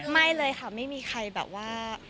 ไม่เลยค่ะไม่มีใครแบบว่า